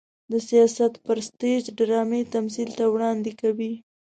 د سياست پر سټېج ډرامايي تمثيل ته وړاندې کوي.